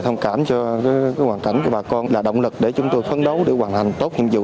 thông cảm cho hoàn cảnh của bà con là động lực để chúng tôi phấn đấu để hoàn thành tốt nhiệm vụ